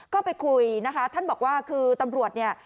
ก็ไปคุยนะคะท่านบอกว่าคือตำรวจเนี่ย